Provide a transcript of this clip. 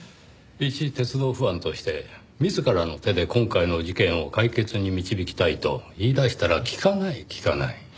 いち鉄道ファンとして自らの手で今回の事件を解決に導きたいと言い出したら聞かない聞かない。